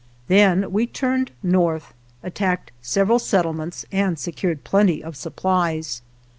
Then we turned north, attacked several settlements, and secured plenty of supplies.